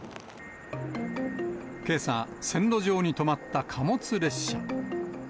けさ、線路上に止まった貨物列車。